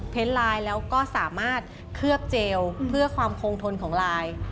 ไลน์แล้วก็สามารถเคลือบเจลเพื่อความคงทนของลาย